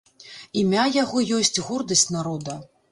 Імя яго ёсць гордасць народа.